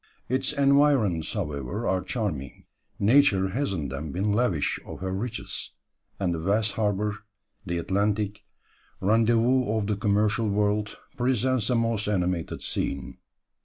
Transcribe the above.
Its environs, however, are charming; nature has in them been lavish of her riches; and the vast harbour, the Atlantic, rendezvous of the commercial world, presents a most animated scene.